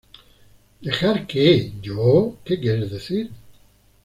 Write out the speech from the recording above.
¿ Dejar qué? Yo... ¿ qué quieres decir?